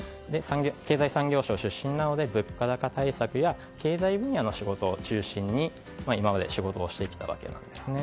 経済産業省出身なので物価高対策や経済分野の仕事を中心に今まで仕事をしてきたわけですね。